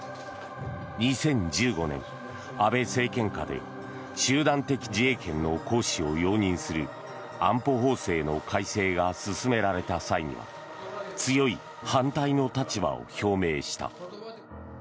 ２０１５年、安倍政権下で集団的自衛権の行使を容認する安保法制の改正が進められた際には強い反対の立場を表明した。